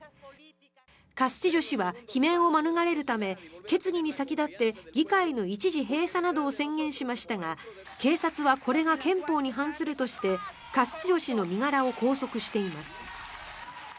カスティジョ氏は罷免を免れるため決議に先立って議会の一時閉鎖などを宣言しましたが警察はこれが憲法に反するとしてカスティジョ氏の身柄を拘束しています。